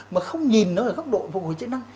mà không nhìn nó ở góc độ phục hồi chức năng